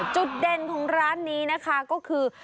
จุดเด่นของร้านนี้นะคะก็คือ